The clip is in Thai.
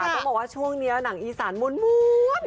ต้องบอกว่าช่วงนี้หนังอีสานม้วน